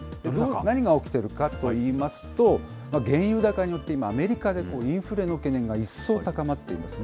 何が起きているかといいますと、原油高によってアメリカでインフレの懸念が一層高まっていますね。